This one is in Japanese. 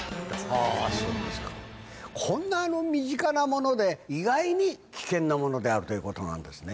あぁそうですかこんな身近なもので意外に危険なものであるということなんですね。